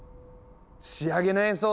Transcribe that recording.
仕上げの演奏だ！